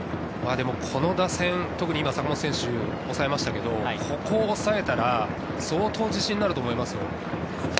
この打線、特に坂本選手は抑えましたけれど、ここを抑えたら相当自信になると思いますよ。